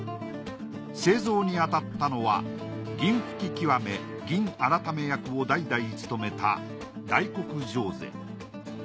製造にあたったのは銀吹極・銀改役を代々務めた大黒常是。